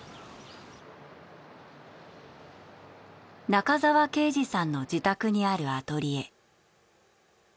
中沢啓治さんの自宅にあるアトリエ。